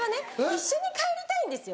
一緒に帰りたいんですよ。